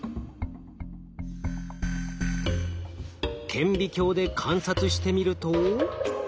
顕微鏡で観察してみると。